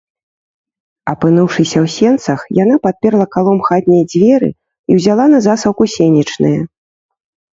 Апынуўшыся ў сенцах, яна падперла калом хатнія дзверы і ўзяла на засаўку сенечныя.